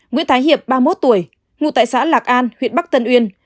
nguyễn thái hiệp ba mươi một tuổi ngụ tại xã lạc an huyện bắc tân uyên